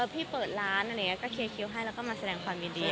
พี่เปิดร้านอะไรอย่างนี้ก็เคลียร์คิวให้แล้วก็มาแสดงความยินดี